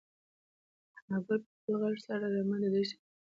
انارګل په خپل غږ سره رمه د دښتې له سختو خطرونو څخه وژغورله.